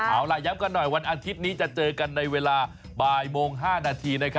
เอาล่ะย้ำกันหน่อยวันอาทิตย์นี้จะเจอกันในเวลาบ่ายโมง๕นาที